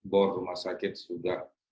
bawah rumah sakit sudah